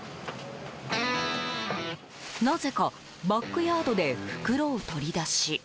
なぜか、バックヤードで袋を取り出し。